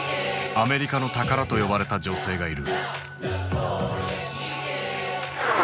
「アメリカの宝」と呼ばれた女性がいる。